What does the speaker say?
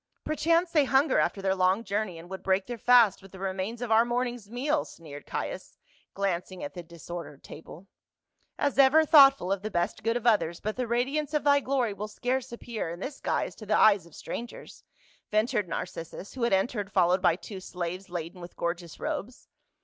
"Perchance they hunger after their long journey and would break their fast with the remains of our morning's meal," sneered Caius, glancing at the dis ordered table. "As ever thoughtful of the best good of others, but the radiance of thy glor} will scarce appear in this guise to the eyes of strangers," ventured Narcis sus, who had entered followed by t\vo slaves laden with gorgeous robes.